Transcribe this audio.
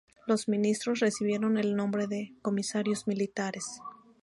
Los ministros recibieron el nombre de "Comisarios Militares".